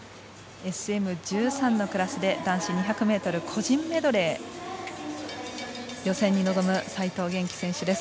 ＳＭ１３のクラスで男子２００ｍ個人メドレー予選に臨む齋藤元希選手です。